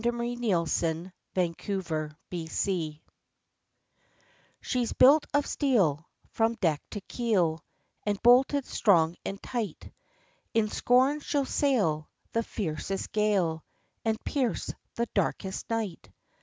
THE WORD OF AN ENGINEER "She's built of steel From deck to keel, And bolted strong and tight; In scorn she'll sail The fiercest gale, And pierce the darkest night.